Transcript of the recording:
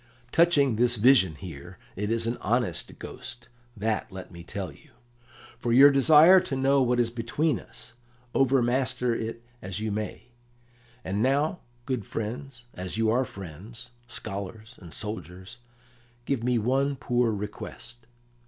"Touching this vision here, it is an honest ghost, that let me tell you. For your desire to know what is between us, overmaster it as you may. And now, good friends, as you are friends, scholars, and soldiers, give me one poor request."